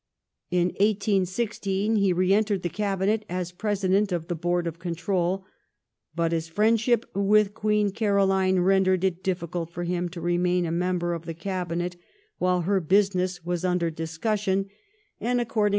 In 1816 he re entered the Cabinet as President of the Board of Control, but his friendship with Queen Caroline rendered it difficult for him to remain a member of the Cabinet while her " business " was under discussion, and accord 1 Cf.